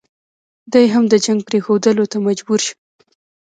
دی هم د جنګ پرېښودلو ته مجبور شو.